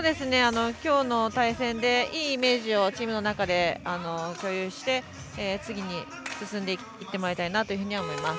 今日の対戦でいいイメージをチームの中で共有して次に進んでもらいたいと思います。